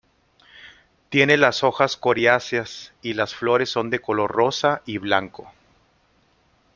Tiene las hojas coriáceas y las flores son de color rosa y blanco.